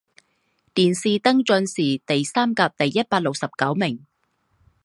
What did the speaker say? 殿试登进士第三甲第一百六十九名。